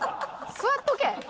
座っとけ！